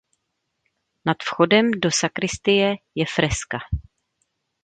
Nad vchodem do sakristie je freska.